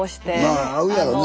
まあ合うやろねえ。